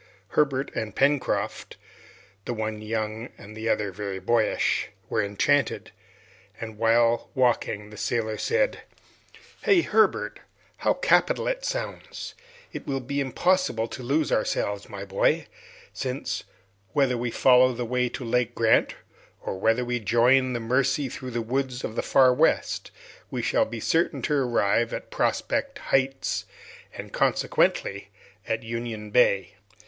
Herbert and Pencroft the one young and the other very boyish were enchanted, and while walking, the sailor said, "Hey, Herbert! how capital it sounds! It will be impossible to lose ourselves, my boy, since, whether we follow the way to Lake Grant, or whether we join the Mercy through the woods of the Far West, we shall be certain to arrive at Prospect Heights, and, consequently, at Union Bay!"